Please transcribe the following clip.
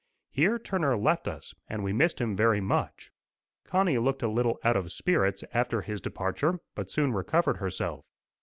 Here Turner left us, and we missed him very much. Connie looked a little out of spirits after his departure, but soon recovered herself.